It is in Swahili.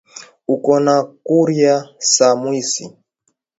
Uko na kurya sa mwizi